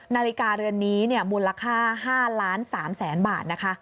นาฬิกาเรือนนี้มูลค่า๕๓๐๐๐๐๐บาท